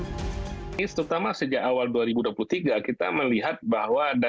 ini terutama sejak awal dua ribu dua puluh tiga kita melihat bahwa